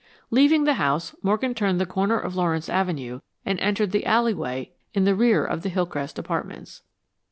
Leaving the house, Morgan turned the corner of Lawrence Avenue and entered the alleyway in the rear of the Hillcrest apartments.